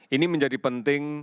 ini menjadi hal yang sangat penting